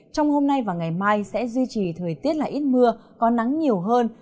trong hôm nay và ngày mai sẽ duy trì thời tiết là ít mưa có nắng nhiều hơn